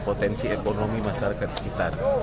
potensi ekonomi masyarakat sekitar